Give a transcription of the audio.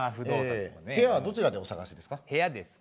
部屋はどちらでお探しですか？